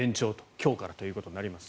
今日からということになります。